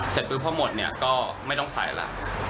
เสร็จพรุ่งพอหมดก็ไม่ต้องใส่ละ